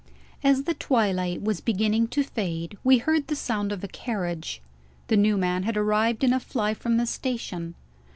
As the twilight was beginning to fade, we heard the sound of a carriage. The new man had arrived in a fly from the station.